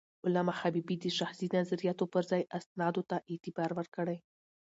علامه حبيبي د شخصي نظریاتو پر ځای اسنادو ته اعتبار ورکړی.